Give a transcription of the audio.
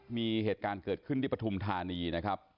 มีเหตุการณ์เกิดขึ้นที่ปฐุมธานีนะครับ